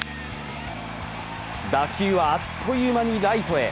打球はあっという間にライトへ。